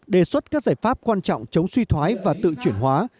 đề xuất các giải pháp quan trọng chống suy thoái và tự chuyển hóa